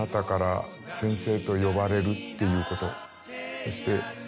そして。